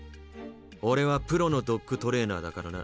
オレはプロのドッグトレーナーだからな。